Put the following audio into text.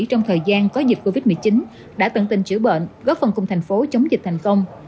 trong thời gian có dịch covid một mươi chín đã tận tình chữa bệnh góp phần cùng thành phố chống dịch thành công